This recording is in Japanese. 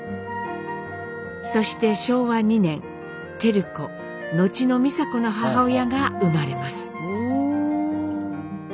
そして昭和２年照子後の美佐子の母親が生まれます。